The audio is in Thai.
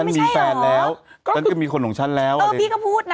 มีแฟนแล้วฉันก็มีขนของฉันแล้วพี่ก็พูดนะไม่ใช่เหรอ